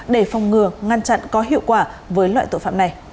để phòng ngừa ngăn chặn có hiệu quả với loại tội phạm này